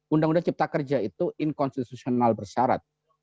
undang undang cipta kerja itu inkonstitusional bersyarat